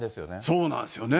そうなんですよね。